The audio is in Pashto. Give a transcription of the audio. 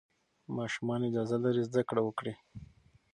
ماشومان اجازه لري زده کړه وکړي.